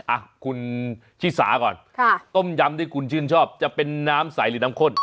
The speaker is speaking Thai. อ่ะคุณชิสาก่อนค่ะต้มยำที่คุณชื่นชอบจะเป็นน้ำใสหรือน้ำข้น